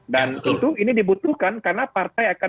dan itu dibutuhkan karena partai akan